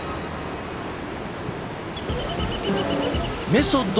メソッド